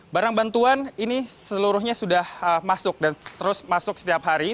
barang bantuan ini seluruhnya sudah masuk dan terus masuk setiap hari